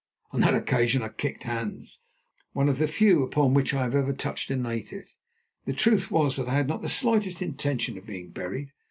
On that occasion I kicked Hans, one of the few upon which I have ever touched a native. The truth was that I had not the slightest intention of being buried.